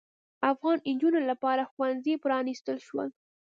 افغان نجونو لپاره ښوونځي پرانیستل شول.